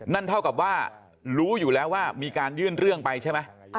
นั่นเท่ากับว่ารู้อยู่แล้วว่ามีการยื่นเรื่องไปใช่ไหม